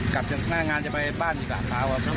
กลับจากหน้างานจะไปบ้านอีกหลายครั้ง